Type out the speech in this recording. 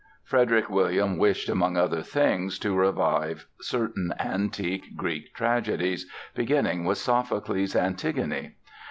Frederick William wished, among other things, to revive certain antique Greek tragedies, beginning with Sophocles' "Antigone".